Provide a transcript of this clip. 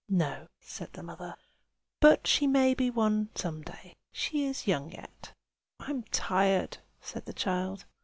"No!" said the mother. "But she may be one some day. She is young yet." "I am tired!" said the child.